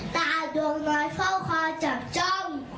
ท่าดวกน้อยข้อค่อจัดจ้ม